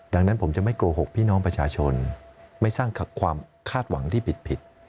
ดังนั้นผมจะไม่โกหกพี่น้องประชาชนไม่สร้างความคาดหวังที่ผิด